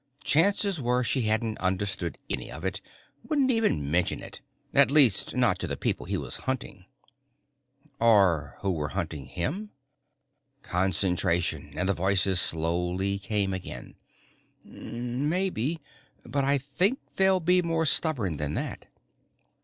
Chances were she hadn't understood any of it, wouldn't even mention it. At least not to the people he was hunting. Or who were hunting him? Concentration, and the voices slowly came again: " maybe. But I think they'll be more stubborn than that."